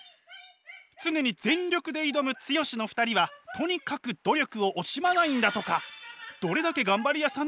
常に全力で挑むツヨシっ！の２人はとにかく努力を惜しまないんだとか。